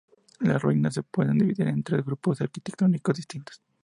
Las ruinas se pueden dividir en tres grupos arquitectónicos distintos.